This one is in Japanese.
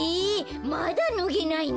まだぬげないの？